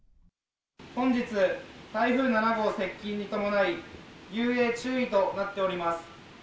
本日、台風７号接近に伴い、遊泳注意となっております。